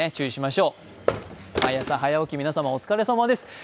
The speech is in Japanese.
毎朝早起き、皆様、お疲れさまです。